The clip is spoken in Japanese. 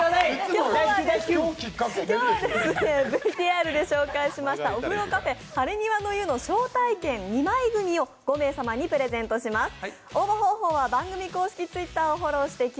今日はＶＴＲで紹介しましたおふろｃａｆｅハレニワの湯の招待券２枚組を５名様にプレゼントします。